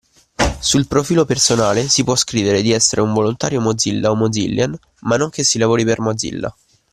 Sul profilo personale si può scrivere di essere un volontario Mozilla o Mozillian ma non che si lavori per Mozilla.